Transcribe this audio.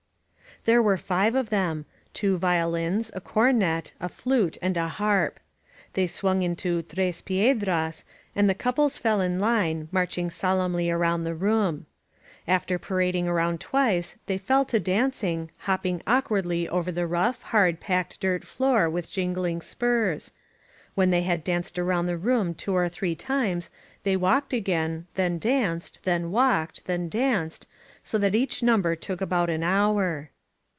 There were five of them — two violins, a cornet, a flute and a harp. They swung into "Tres Piedras," and the couples fell in line, marching solemnly round the room. After parading round twice they fell to dancing, hopping awkwardly over the rough, hard, packed dirt floor with jingUng spurs ; when they had danced around the room two or three times they walked 897 INSUKGENT MEXICO again, then danced, then walked, then danced, so that each number took about an hour.